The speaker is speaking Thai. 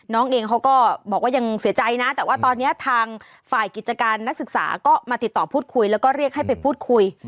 น้องเองเขาก็บอกว่ายังเสียใจนะแต่ว่าตอนนี้ทางฝ่ายกิจการนักศึกษาก็มาติดต่อพูดคุยแล้วก็เรียกให้ไปพูดคุย